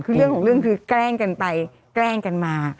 คือเรื่องของเรื่องคือแกล้งกันไปแกล้งกันมา